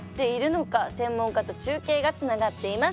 専門家と中継がつながっています。